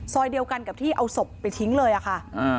ซอยเดียวกันกับที่เอาศพไปทิ้งเลยอะค่ะ